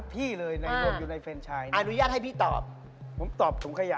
พี่ต้องพิจารณาดูให้ดีนะคะ